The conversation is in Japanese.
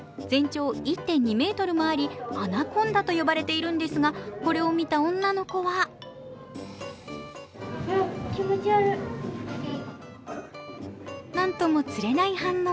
全長１．２ｍもありアナコンダと呼ばれているんですが、これを見た女の子はなんともつれない反応。